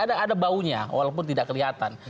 ada baunya walaupun tidak kelihatan